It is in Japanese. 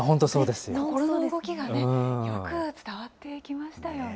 心の動きがね、よく伝わってきましたよね。